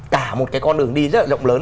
cả một cái con đường đi rất là rộng lớn